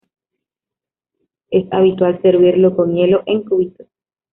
Es habitual servirlo con hielo en cubitos.